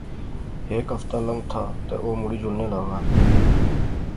ہیک ہفتہ لنگتھا تہ او مڑی جلنے لاغا